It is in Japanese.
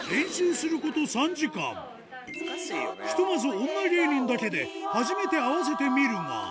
ひとまず女芸人だけで初めて合わせてみるが